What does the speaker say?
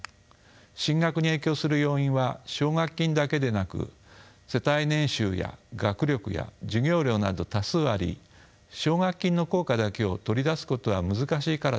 進学に影響する要因は奨学金だけでなく世帯年収や学力や授業料など多数あり奨学金の効果だけを取り出すことは難しいからです。